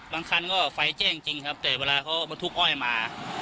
บางครั้งก็ไฟเจ้งจริงครับแต่เวลาเขามาทุกอ้อยมา